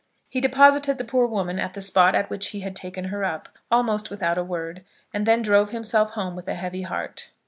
He deposited the poor woman at the spot at which he had taken her up, almost without a word, and then drove himself home with a heavy heart.